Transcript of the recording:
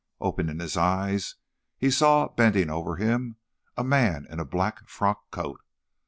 Opening his eyes, he saw, bending over him, a man in a black frock coat.